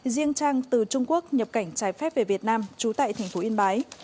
riêng trang từ trung quốc nhập cảnh trái phép về việt nam trú tại thành phố yên bái